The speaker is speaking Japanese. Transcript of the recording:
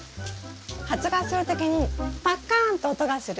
発芽する時にパッカーンって音がする。